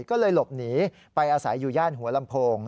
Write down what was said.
ก็เลยหลบหนีไปอาศัยอยู่ย่านหัวลำโพง